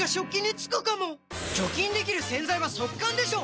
除菌できる洗剤は速乾でしょ！